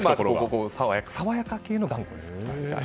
爽やか系の頑固です。